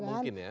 gak mungkin ya